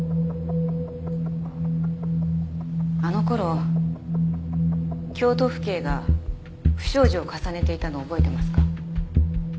あの頃京都府警が不祥事を重ねていたのを覚えてますか？